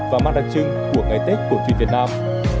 và mang đặc trưng của ngày tết của truyền việt nam